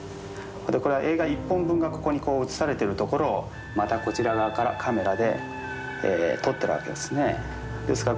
これは映画一本分がここにこう映されてるところをまたこちら側からカメラで撮ってるわけですね。